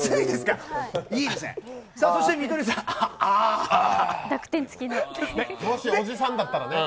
もしおじさんだったらね。